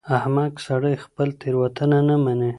احمق سړی خپله تېروتنه نه مني.